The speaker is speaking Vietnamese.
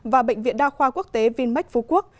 và bệnh viện đa khoa quốc tế vinmec phú quốc